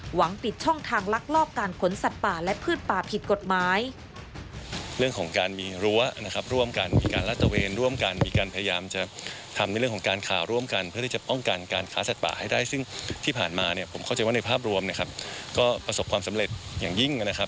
หวังปิดช่องทางลักลอบการขนสัตว์ป่าและพืชป่าผิดกฎหมาย